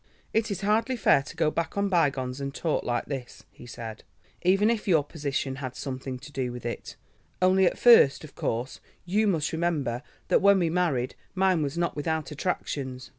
"It is hardly fair to go back on bygones and talk like this," he said, "even if your position had something to do with it; only at first of course, you must remember that when we married mine was not without attractions.